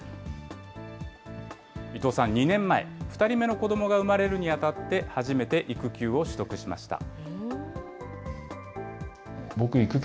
伊藤さんは２年前、２人目の子どもが産まれるにあたって、初めて育休を取得しました。